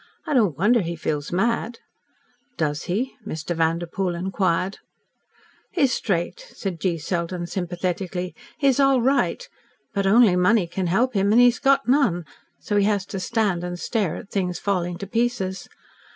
I don't wonder he feels mad." "Does he?" Mr. Vanderpoel inquired. "He's straight," said G. Selden sympathetically. "He's all right. But only money can help him, and he's got none, so he has to stand and stare at things falling to pieces.